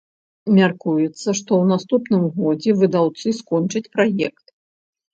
Мяркуецца, што ў наступным годзе выдаўцы скончаць праект.